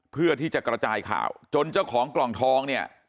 เพื่อที่จะกระจายข่าวจนเจ้าของกล่องทองเนี่ย